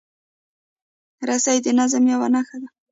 رسۍ د نظم یوه نښه ده.